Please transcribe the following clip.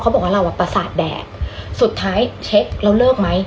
บอกว่าเราอ่ะประสาทแดกสุดท้ายเช็คแล้วเลิกไหม